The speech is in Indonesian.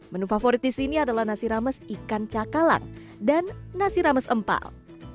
menu favorit di sini adalah nasi rames ikan cakalang dan nasi rames empal